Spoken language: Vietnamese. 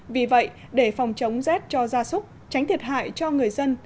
vì vậy để phòng chống rét cho gia súc tránh thiệt hại cho người dân